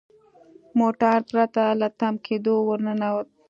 موټر پرته له تم کیدو ور ننوت.